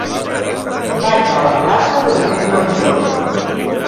Vaig a la plaça d'Ovidi Montllor.